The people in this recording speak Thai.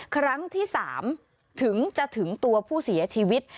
ครั้งที่๓ถึงจะถึงตัวผู้เสียชีวิต